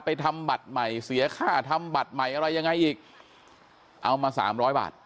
ทำบัตรใหม่เสียค่าทำบัตรใหม่อะไรยังไงอีกเอามาสามร้อยบาท